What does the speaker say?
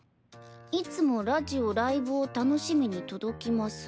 「いつもラジオライブを楽しみに届きます。